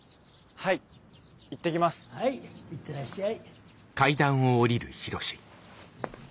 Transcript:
はい行ってらっしゃい。